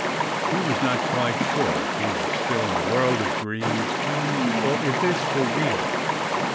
He was not quite sure if he were still in a world of dreams or if this were real.